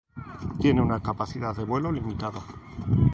Tiene una capacidad de vuelo limitada.